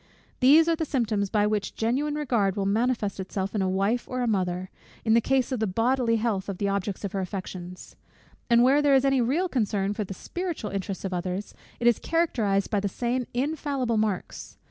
These are the symptoms by which genuine regard will manifest itself in a wife or a mother, in the case of the bodily health of the object of her affections. And where there is any real concern for the spiritual interests of others, it is characterized by the same infallible marks.